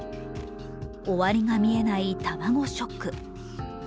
終わりが見えない卵ショック。